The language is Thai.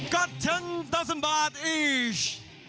กับ๑๐๐๐๐บาทอีก